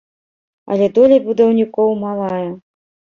Але доля будаўнікоў малая.